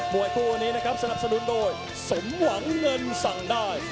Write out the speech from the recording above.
วยคู่นี้นะครับสนับสนุนโดยสมหวังเงินสั่งได้